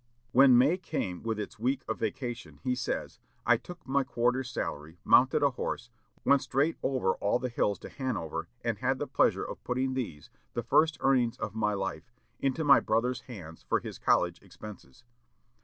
When May came with its week of vacation, he says, "I took my quarter's salary, mounted a horse, went straight over all the hills to Hanover, and had the pleasure of putting these, the first earnings of my life, into my brother's hands for his college expenses.